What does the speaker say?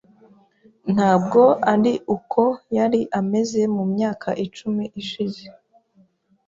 Ntabwo ari uko yari ameze mu myaka icumi ishize.